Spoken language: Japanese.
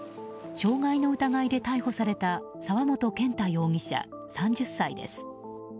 傷害の疑いで逮捕された沢本健太容疑者、３０歳です。